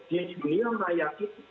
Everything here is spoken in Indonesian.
di dunia maya itu